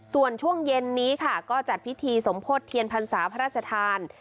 ส่วนช่วงเย็นนี้ค่ะก็จัดพิธีสมโพธิเทียนพรรษาพระราชทาน